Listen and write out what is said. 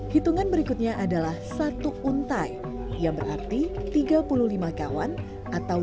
hitungan berikutnya adalah satu untai yang berarti tiga puluh lima kawan atau delapan ratus tujuh puluh lima